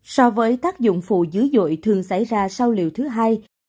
so với tác dụng phụ dữ dội thường xảy ra sau liệu thứ hai